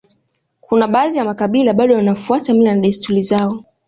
Kuna baadhi ya makabila bado wanafuata mila na desturi zao